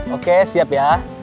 oke siap ya